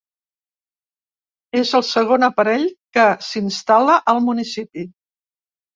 És el segon aparell que s’instal·la al municipi.